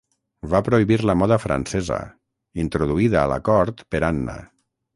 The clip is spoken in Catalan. Va prohibir la moda francesa, introduïda a la cort per Anna.